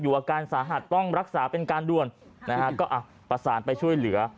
อาการสาหัสต้องรักษาเป็นการด่วนนะฮะก็อ่ะประสานไปช่วยเหลือ